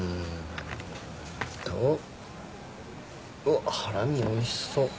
あっハラミおいしそう。